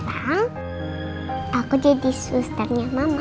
sekarang aku jadi susternya mama